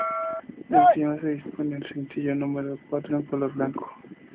Encima, se dispone un sencillo número cuatro en color blanco.